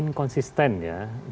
tentunya psi akan nampak ini